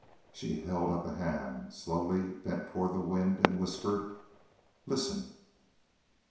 She held up a hand, slowly bent toward the wind, and whispered: "Listen."